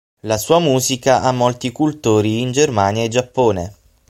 La sua musica ha molti cultori in Germania e Giappone.